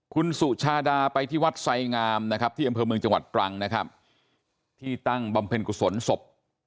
คุณสุชาดาไปที่วัดไสงามนะครับ